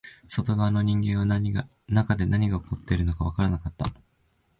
外側の人間は中で何が起きているのかわからなかった